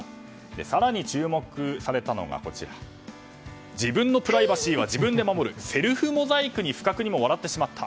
更に、注目されたのが自分のプライバシーは自分で守るセルフモザイクに不覚にも笑ってしまった。